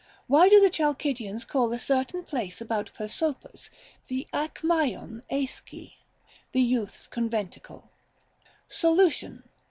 Why do the Chalcidians call a certain place about Pyrsopius the Άχμαίων Λίσχη, the Youth's Con venticle f Solution.